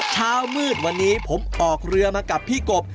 เช้ามืดวันนี้ผมออกเรือมากับพี่กบ